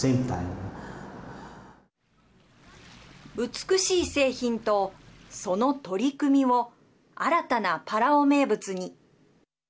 美しい製品とその取り組みを新たなパラオ名物に。